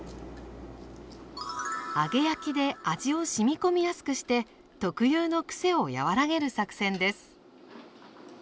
揚げ焼きで味をしみこみやすくして特有のくせを和らげる作戦です。